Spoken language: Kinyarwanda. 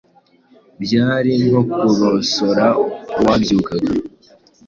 byari nko korosora uwabyukaga